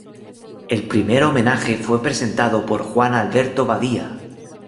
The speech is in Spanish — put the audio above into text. El primer homenaje fue presentado por Juan Alberto Badía.